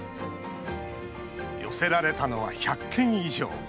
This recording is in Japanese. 寄せられたのは１００件以上。